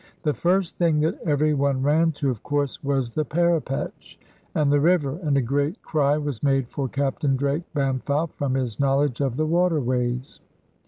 The first thing that every one ran to, of course, was the parapetch and the river, and a great cry was made for Captain Drake Bampfylde, from his knowledge of the waterways.